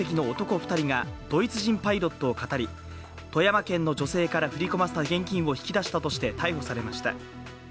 ２人がドイツ人パイロットをかたり、富山県の女性から振り込ませた現金を引き出したとして逮捕されました。